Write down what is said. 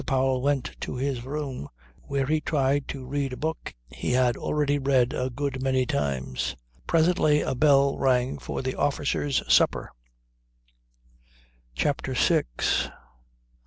Powell went to his room where he tried to read a book he had already read a good many times. Presently a bell rang for the officers' supper. CHAPTER SIX